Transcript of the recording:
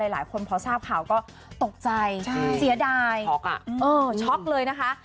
หลายคนพอทราบข่าวก็ตกใจเสียดายช็อกช็อกเลยนะคะ